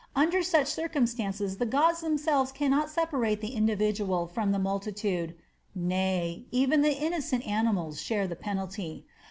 Under such circumstances the gods themselves cannot separate the individual from the multitude; nay, even the innocent animals share the penalty.